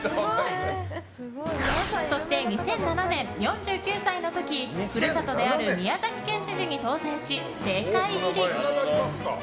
そして２００７年、４９歳の時故郷である宮崎県知事に当選し政界入り。